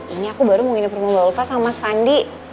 ini aku baru mau nginep rumah mbak ufa sama mas vandi